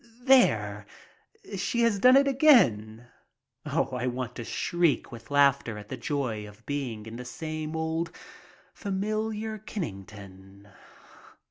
There, she has done it again. I want to shriek with laughter at the joy of being in this same old familiar Kennington.